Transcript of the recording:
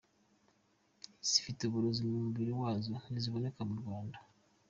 Izi zifite uburozi mu mubiri wazo nti ziboneka mu Rwanda.